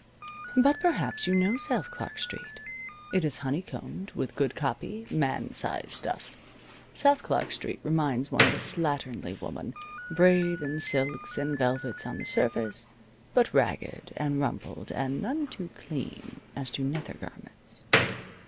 But perhaps you know South Clark Street. It is honeycombed with good copy man size stuff. South Clark Street reminds one of a slatternly woman, brave in silks and velvets on the surface, but ragged, and rumpled and none too clean as to nether garments.